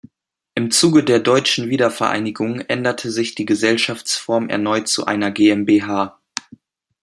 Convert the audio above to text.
Im Zuge der deutschen Wiedervereinigung änderte sich die Gesellschaftsform erneut zu einer GmbH.